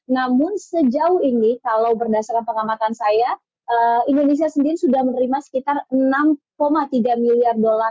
namun sejauh ini kalau berdasarkan pengamatan saya indonesia sendiri sudah menerima sekitar enam tiga miliar dolar